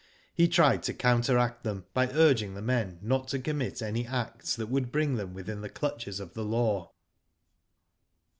He tried to counteract 'them, by urging the men not to commit any acts that would* bring them within the clutches of the law.